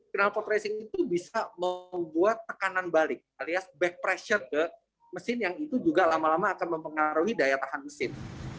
kenalpot racing itu bisa membuat tekanan balik alias back pressure ke mesin yang itu juga lama lama akan mempengaruhi daya tahan mesin